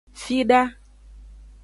Fida.